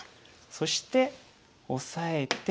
そしてオサえて。